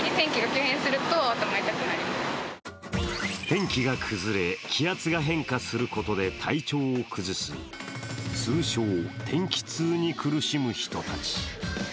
天気が崩れ、気圧が変化することで体調を崩す通称・天気痛に苦しむ人たち。